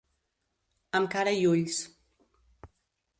Amb cara i ulls.